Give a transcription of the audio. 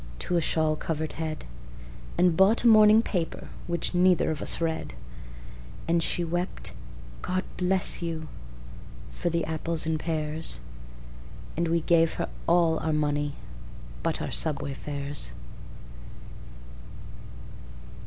to a shawl covered head, And bought a morning paper, which neither of us read; And she wept, "God bless you!" for the apples and pears, And we gave her all our money but our subway fares.